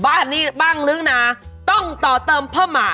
บ้านนี้บ้างลื้อนะต้องต่อเติมเพิ่มมา